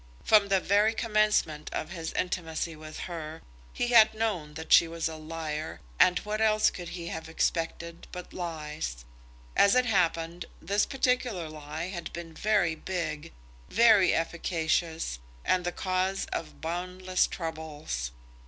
From the very commencement of his intimacy with her, he had known that she was a liar, and what else could he have expected but lies? As it happened, this particular lie had been very big, very efficacious, and the cause of boundless troubles.